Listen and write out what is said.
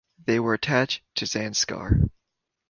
They were attached to Zanskar.